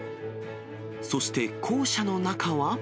そして、校舎の中は。